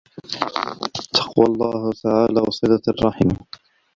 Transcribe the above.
تَقْوَى اللَّهِ تَعَالَى وَصِلَةُ الرَّحِمِ